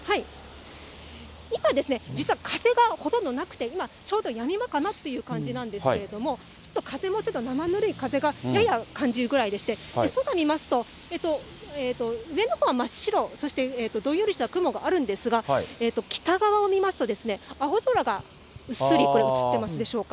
今ですね、実は風がほとんどなくて、今、ちょうどやみ間かなという感じなんですけれども、ちょっと風もちょっと生ぬるい風がやや感じるぐらいでして、空を見ますと、上のほうは真っ白、そしてどんよりした雲があるんですが、北側を見ますと、青空がうっすらこれ、映ってますでしょうか。